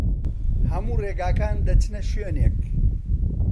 هەموو ڕێگاکان دەچنە شوێنێک.